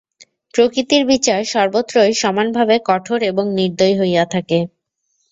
প্রকৃতির বিচার সর্বত্রই সমানভাবে কঠোর এবং নির্দয় হইয়া থাকে।